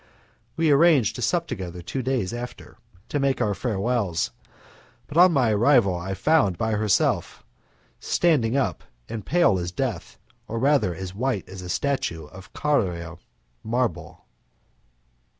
We arranged to sup together two days after, to make our farewells, but on my arrival I found by herself, standing up, and pale as death, or rather as white as a statue of Carrara marble.